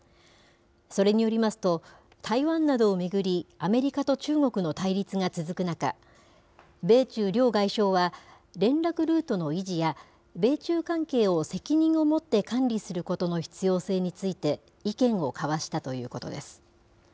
それによりますと、台湾などを巡り、アメリカと中国の対立が続く中、米中両外相は、連絡ルートの維持や、米中関係を責任を持って管理することの必要性について意見を交わしたということです。